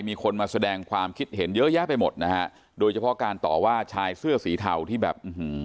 มีคนมาแสดงความคิดเห็นเยอะแยะไปหมดนะฮะโดยเฉพาะการต่อว่าชายเสื้อสีเทาที่แบบอื้อหือ